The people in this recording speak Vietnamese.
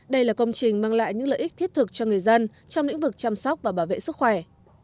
đây là công trình mang lại những lợi ích thiết thực cho người dân trong lĩnh vực chăm sóc và bảo vệ sức khỏe